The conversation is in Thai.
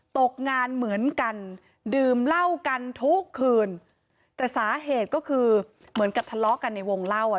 ตกงานเหมือนกันดื่มเหล้ากันทุกคืนแต่สาเหตุก็คือเหมือนกับทะเลาะกันในวงเล่าอ่ะ